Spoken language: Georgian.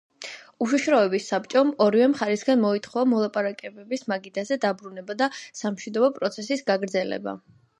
უშიშროების საბჭომ ორივე მხარისგან მოითხოვა მოლაპარაკებების მაგიდაზე დაბრუნება და სამშვიდობო პროცესის გაგრძელება.